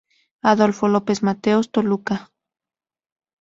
Adolfo López Mateos, Toluca.